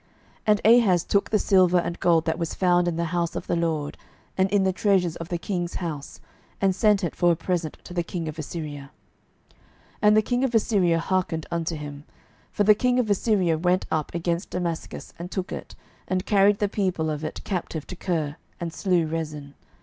12:016:008 And Ahaz took the silver and gold that was found in the house of the LORD, and in the treasures of the king's house, and sent it for a present to the king of Assyria. 12:016:009 And the king of Assyria hearkened unto him: for the king of Assyria went up against Damascus, and took it, and carried the people of it captive to Kir, and slew Rezin.